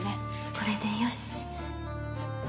これでよし。